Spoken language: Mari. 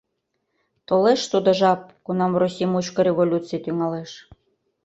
Толеш тудо жап, кунам Россий мучко революций тӱҥалеш.